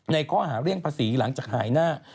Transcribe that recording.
ในข้อหาเรื่องภาษีหลังจากหายหน้า